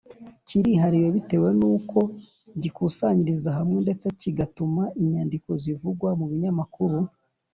Kirihariye bitewe n’uko gikusanyiriza hamwe ndetse kigatuma inyandiko zivugwa mu binyamakuru